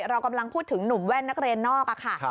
เรากำลังพูดถึงหนุ่มแว่นนักเรียนนอกค่ะ